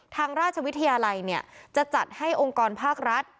ทางราชวิทยาลัยเนี่ยจะจัดให้องค์กรภาครัฐ